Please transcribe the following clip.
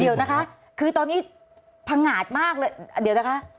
เดี๋ยวนะคะคือตอนนี้พังงาดมากเลยเดี๋ยวนะคะ